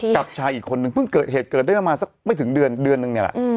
กับชายอีกคนนึงเพิ่งเกิดเหตุเกิดได้ประมาณสักไม่ถึงเดือนเดือนนึงเนี่ยแหละ